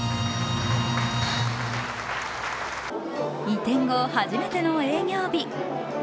移転後、初めての営業日。